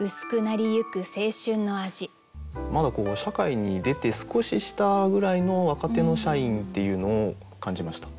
まだ社会に出て少ししたぐらいの若手の社員っていうのを感じました。